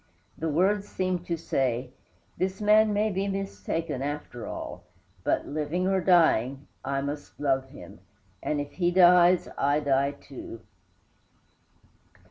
The words seemed to say, "this man may be mistaken, after all; but, living or dying, I must love him, and if he dies, I die too."